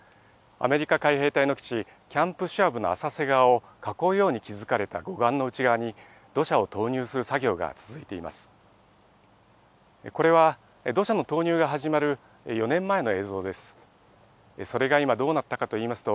アメリカ海兵隊の基地、キャンプ・シュワブの浅瀬側を囲うように築かれた護岸の内側に、土砂を投入する作業が続いています。